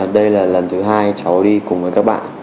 đây là lần thứ hai cháu đi cùng với các bạn